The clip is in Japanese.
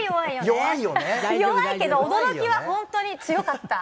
弱いけど驚きは本当に強かった。